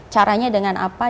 caranya dengan apa